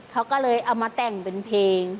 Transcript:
เขาก็เลยเอามาแต่งเป็นเพลง